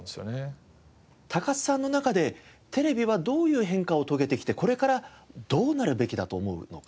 高須さんの中でテレビはどういう変化を遂げてきてこれからどうなるべきだと思うのか。